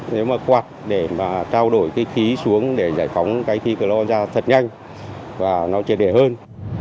nếu mà quạt để mà trao đổi cái khí xuống để giải phóng cái khí cờ lo ra thật nhanh và nó triệt đẻ hơn